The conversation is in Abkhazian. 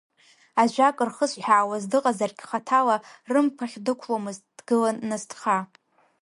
Ажәак рхызҳәаауаз дыҟазаргь хаҭала, рымԥахь дықәломызт, дгылан насҭха.